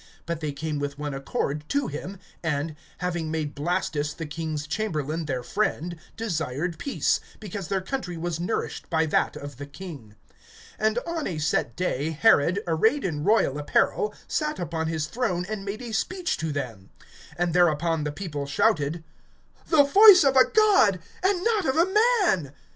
But they came with one accord to him, and, having made Blastus the king's chamberlain their friend, desired peace; because their country was nourished by that of the king. (21)And on a set day Herod, arrayed in royal apparel, sat upon his throne, and made a speech to them. (22)And thereupon the people shouted: The voice of a god, and not of a man!